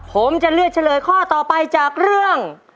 ผมจะเลือกเฉลยข้อต่อไปจากเรื่อง